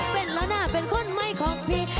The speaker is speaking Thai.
เป็นแล้วนะเป็นคนไม่ของพี่